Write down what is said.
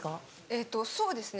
えっとそうですね。